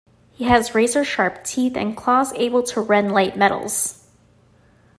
He has razor sharp teeth and claws able to rend light metals.